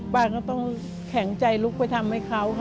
บ้านก็ต้องแข็งใจลุกไปทำให้เขาค่ะ